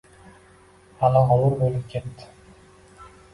G’ala-g‘ovur bo‘lib ketdi.